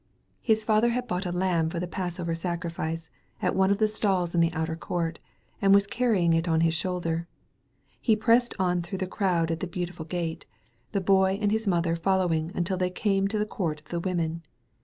His father had bought a lamb for the Passover 271 THE VALLEY OP VISION sacrifioe, at (Mae (rf the stalls in the outer court, and was canying it on his shoulder. He pressed on through the crowd at the Beautiful Gate, the Boy and his mother following until th^ came to the Court of the Women.